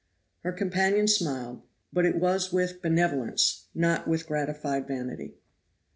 Her companion smiled, but it was with benevolence, not with gratified vanity.